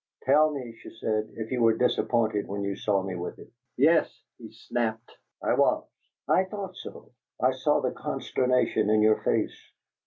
"Tell me," she said, "if you were disappointed when you saw me with him." "Yes," he snapped. "I was!" "I thought so. I saw the consternation in your face!